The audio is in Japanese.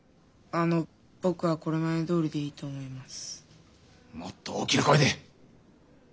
あのこれまでどおりでいいと思います！